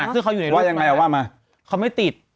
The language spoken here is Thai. คือเขาอยู่ในรูปหรือเปล่าอ่ะคือเขาอยู่ในรูปหรือเปล่าว่ายังไงว่ามา